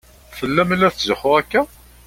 Fell-am i la tetzuxxu akka?